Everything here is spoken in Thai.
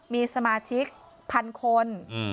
มีสมาชิก๑๐๐๐คน